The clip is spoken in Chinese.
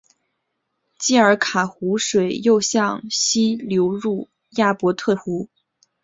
基阿卡湖水又向西流入亚伯特湖。